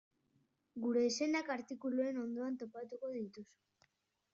Gure izenak artikuluen ondoan topatuko dituzu.